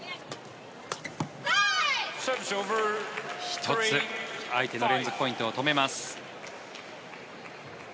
１つ、相手の連続ポイントを止めます。